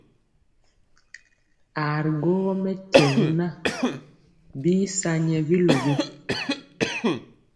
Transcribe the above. Aa ri gwogɔ mɛkyɛri na bii sa nyɛ biluwi.